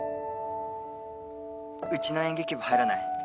うちの演劇部入らない？